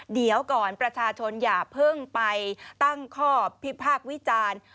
เดี๋ยวก่อนประชาชนอย่าเพิ่งไปตั้งข้อพิพากษ์วิจารณ์